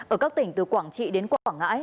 ở các tỉnh từ quảng trị đến quảng ngãi